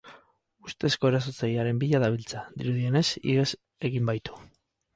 Ustezko erasotzailearen bila dabiltza, dirudienez, ihes egin baitu.